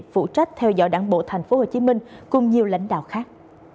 phụ trách theo dõi đảng bộ tp hcm cùng nhiều lãnh đạo khác